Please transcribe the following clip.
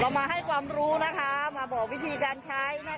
มาให้ความรู้นะคะมาบอกวิธีการใช้นะคะ